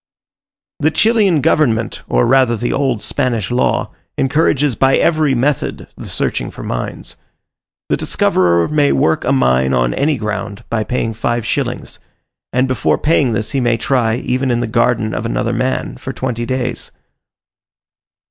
The Chilian government, or rather the old Spanish law, encourages by every method the searching for mines. The discoverer may work a mine on any ground, by paying five shillings; and before paying this he may try, even in the garden of another man, for twenty days.